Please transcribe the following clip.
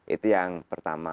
itu yang pertama